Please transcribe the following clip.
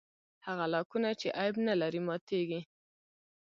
هغه لاکونه چې عیب نه لري ماتېږي.